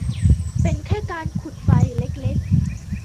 เป็นแค่การขุดไฟเล็ก ๆ